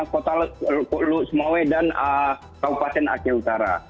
kota lusmawet dan kabupaten aceh utara